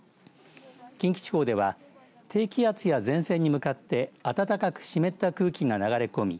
近畿地方では低気圧や前線に向かって暖かく湿った空気が流れ込み